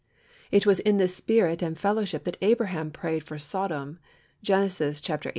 It was in this spirit and fellowship that Abraham prayed for Sodom (Genesis xviii.